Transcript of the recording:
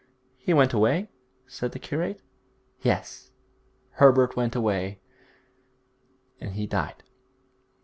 'He went away?' said the curate. 'Yes, Herbert went away; and he died.